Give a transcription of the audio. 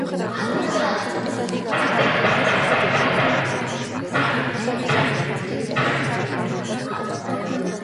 მიუხედავად ამისა იმპერატორმა დახმარება არ გამოაგზავნა და მეფე იძულებული შეიქმნა ჩეხეთში გაქცეულიყო.